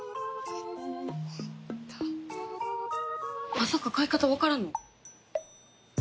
まさか買い方わからんの？